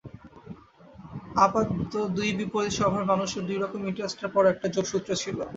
আপাত দুই বিপরীত স্বভাবের মানুষের দুই রকম ইন্টারেস্টের পরেও একটা যোগসূত্র ছিল।